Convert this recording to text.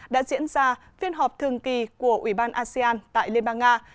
đã diễn ra phiên họp thường kỳ của ủy ban asean tại liên bang nga